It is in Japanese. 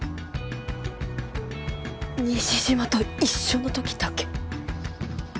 「西島と一緒の時だけ」。